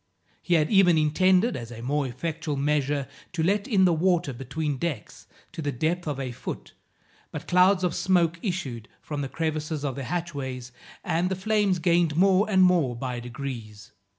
He had even intended, as a more effectual measure, to let in the water between decks to the depth of a foot, but clouds of smoke issued from the crevices of the hatchways, and the flames gained more and more by degrees.